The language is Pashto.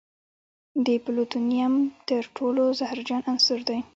د پلوتونیم تر ټولو زهرجن عنصر دی.